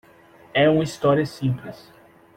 É uma história simples.